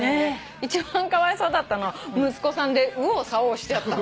一番かわいそうだったのは息子さんで右往左往しちゃった。